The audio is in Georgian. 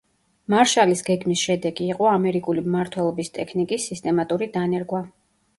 მარშალის გეგმის შედეგი იყო ამერიკული მმართველობის ტექნიკის სისტემატური დანერგვა.